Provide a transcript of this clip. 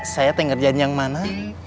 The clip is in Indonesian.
saya tinggal kerjaan yang mana